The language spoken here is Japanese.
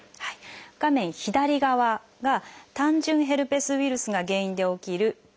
画面左側が単純ヘルペスウイルスが原因で起きる「ベル麻痺」。